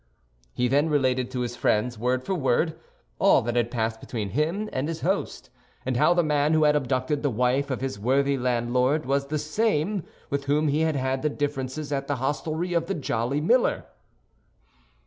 He then related to his friends, word for word, all that had passed between him and his host, and how the man who had abducted the wife of his worthy landlord was the same with whom he had had the difference at the hostelry of the Jolly Miller.